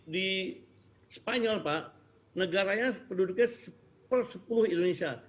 di spanyol pak negaranya penduduknya persepuh indonesia